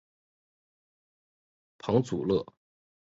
庞祖勒。